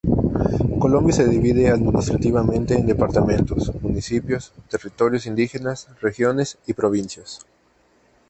Colombia se divide administrativamente en departamentos, municipios, territorios indígenas, regiones y provincias.